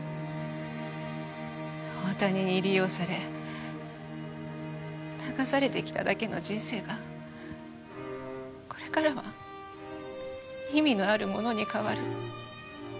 大谷に利用され流されてきただけの人生がこれからは意味のあるものに変わる。